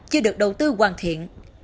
chưa được đầu tư hoàn thiện